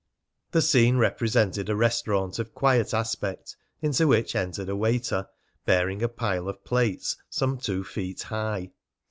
The scene represented a restaurant of quiet aspect, into which entered a waiter bearing a pile of plates some two feet high.